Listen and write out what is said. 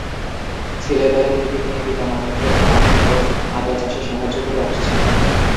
ছেলেবেলা থেকে তিনি পিতামাতাকে ধান এবং আদা চাষে সাহায্য করে আসছেন।